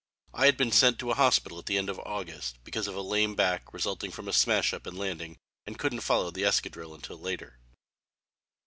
I had been sent to a hospital at the end of August, because of a lame back resulting from a smash up in landing, and couldn't follow the escadrille until later.